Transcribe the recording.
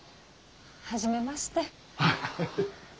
初めまして。